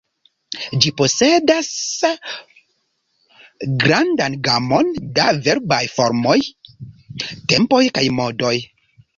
Ĝi posedas grandan gamon da verbaj formoj, tempoj kaj modoj.